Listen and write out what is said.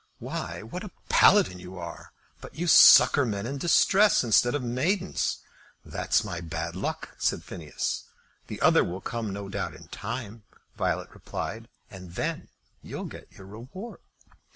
"Why, what a Paladin you are! But you succour men in distress instead of maidens." "That's my bad luck," said Phineas. "The other will come no doubt in time," Violet replied; "and then you'll get your reward."